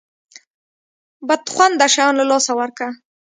بد خونده شیان له لاسه ورکه.